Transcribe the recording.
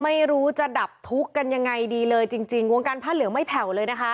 ไม่รู้จะดับทุกข์กันยังไงดีเลยจริงจริงวงการผ้าเหลืองไม่แผ่วเลยนะคะ